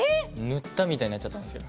塗ったみたいになっちゃったんですよ。